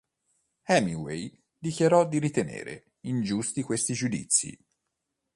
Hemingway dichiarò di ritenere ingiusti questi giudizi.